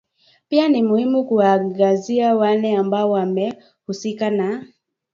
pia ni muhimu kuwaangazia wale ambao wamehusika na